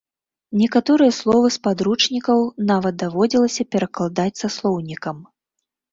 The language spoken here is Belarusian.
Некаторыя словы з падручнікаў нават даводзілася перакладаць са слоўнікам.